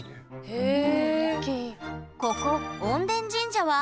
へえ。